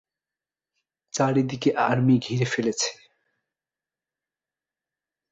চারদিকে আর্মি ঘিরে ফেলেছে।